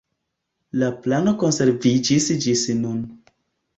La plano konserviĝis ĝis nun.